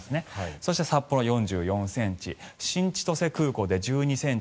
そして、札幌で４４ｃｍ新千歳空港で１２ｃｍ。